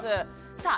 さあ